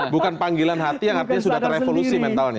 bukan panggilan hati yang artinya sudah terevolusi mentalnya